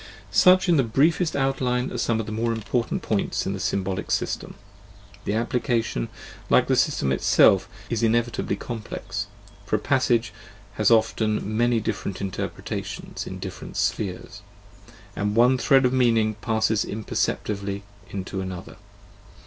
Such, in the briefest outline, are some of the more important points in the symbolic system. The application, like the system itself, is inevitably complex, for a passage has often many different interpretations in different spheres, and one thread of meaning passes imperceptibly into another.